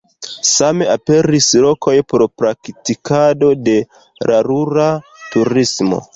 Same aperis lokoj por praktikado de la rura turismo.